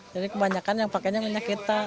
sudah berapa lama